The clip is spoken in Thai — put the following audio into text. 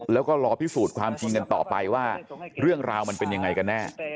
แล้วก็รอพิสูจน์ความจริงกันต่อไปว่าเรื่องราวมันเป็นยังไงกันแน่